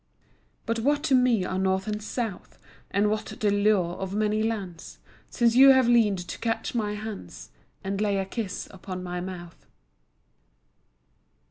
But what to me are north and south, And what the lure of many lands, Since you have leaned to catch my hands And lay a kiss upon my mouth.